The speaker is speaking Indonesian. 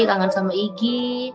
kangen sama igi